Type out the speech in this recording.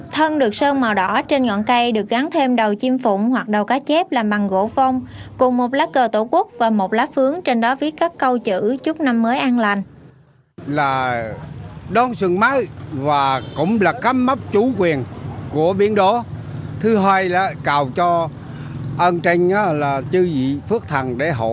thân được sơn màu đỏ trên ngọn cây được gắn thêm đầu chim phụng hoặc đầu cá chép làm bằng gỗ phông cùng một lá cờ tổ quốc và một lá phướng trên đó viết các câu chữ chúc năm mới an lành